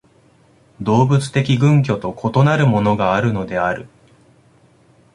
動物的群居と異なるものがあるのである。